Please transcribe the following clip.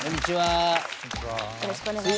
よろしくお願いします。